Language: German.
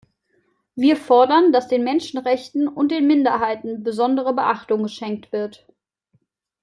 Wir fordern, dass den Menschenrechten und den Minderheiten besondere Beachtung geschenkt wird.